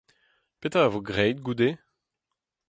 Petra a vo graet goude ?